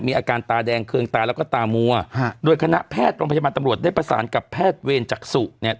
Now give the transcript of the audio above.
อาการตาแดงเคืองตาแล้วก็ตามัวฮะโดยคณะแพทย์โรงพยาบาลตำรวจได้ประสานกับแพทย์เวรจักษุเนี่ย